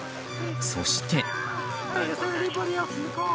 そして。